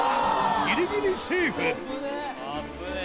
ギリギリセーフ危ねぇ！